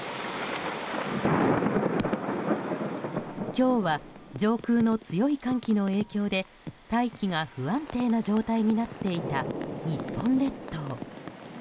今日は上空の強い寒気の影響で大気が不安定な状態になっていた日本列島。